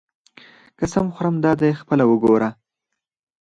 قسم خورم دادی خپله وګوره.